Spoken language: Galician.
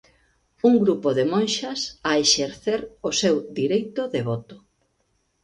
Un grupo de monxas a exercer o seu direito de voto.